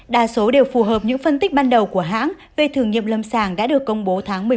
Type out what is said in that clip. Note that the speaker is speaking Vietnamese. đa số đều phù hợp những phân tích ban đầu của hãng về thử nghiệm lâm sàng đã được công bố tháng một mươi một